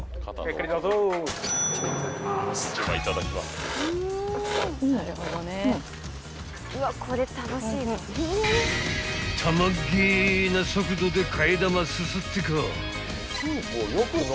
［ったまげな速度で替玉すすってかぁ］